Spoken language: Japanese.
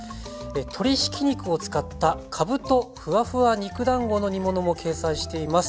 鶏ひき肉を使ったかぶとフワフワ肉だんごの煮物も掲載しています。